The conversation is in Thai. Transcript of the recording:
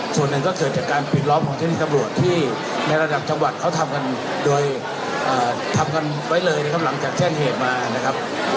ส่วนหนึ่งก็เกิดจากการปิดล้อมของเทพธิกรรมรวชที่ในระดับจังหวัดเขาทำกันไว้เลยหลังจากแจ้งเหตุมา